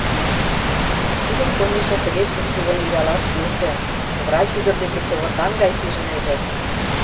Тудым, конешне, тыге куштылгын иралаш йӧсӧ: врач ӱдыр деке чывытан гай пижнеже.